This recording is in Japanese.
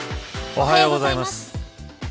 おはようございます。